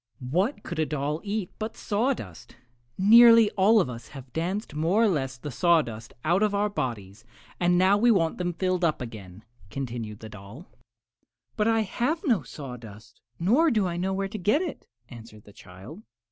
"What could a doll eat but sawdust? Nearly all of us have danced more or less sawdust out of our bodies, and now we want them filled up again," continued the doll. "But I have no sawdust, nor do I know where to get it," answered the child.